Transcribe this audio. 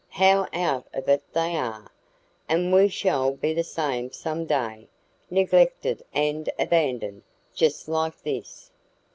How out of it they are! And we shall be the same some day neglected and abandoned, just like this."